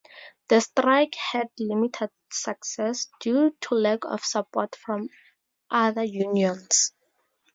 The strike had limited success due to lack of support from other unions.